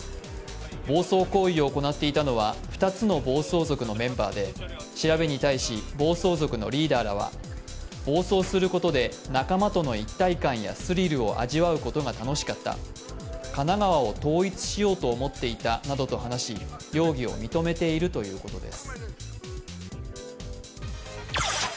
暴走行為を行っていたのは２つの暴走族のメンバーで調べに対し、暴走族のリーダーらは暴走することで仲間との一体感やスリルを味わうことが楽しかった、神奈川を統一しようと思っていたなどと話し容疑を認めているということです。